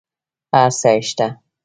هر څه شته